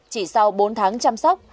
chỉ sau bốn tháng chăm sóc